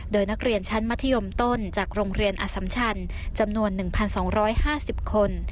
โดยนักเรียนชั้นมัธยมต้นจากโรงเรียนอสัมชันจำนวน๑๒๕๐คน